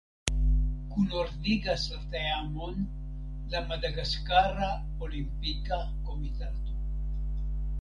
Kunordigas la teamon la Madagaskara Olimpika Komitato.